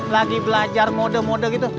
lagi belajar mode mode gitu